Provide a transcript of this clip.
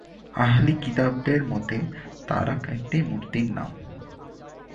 আহলি কিতাবদের মতে, তারাখ একটি মূর্তির নাম।